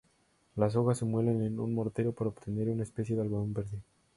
Las hojas se muelen en un mortero para obtener una especie de "algodón verde".